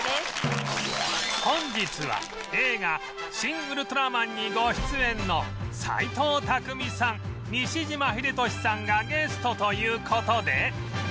本日は映画『シン・ウルトラマン』にご出演の斎藤工さん西島秀俊さんがゲストという事で